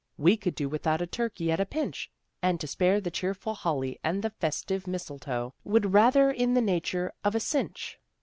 We could do without a turkey at a pinch. And to spare the cheerful holly and the festive mistletoe Would be rather in the nature of a cinch.